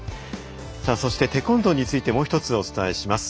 そしてテコンドーについてもう一つお伝えします。